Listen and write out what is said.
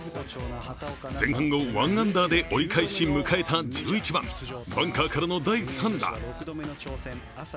前半を１アンダーで折り返し迎えた１１番、バンカーからの第３打。